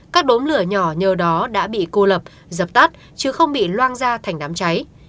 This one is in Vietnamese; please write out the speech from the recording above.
các đốm lửa nhỏ nhờ đó đã bị cô lập dập tắt chứ không bị loang ra thành đám cháy